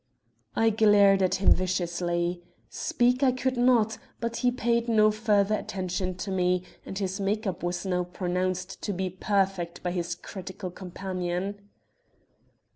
"I glared at him viciously. Speak I could not, but he paid no further attention to me, and his make up was now pronounced to be perfect by his critical companion.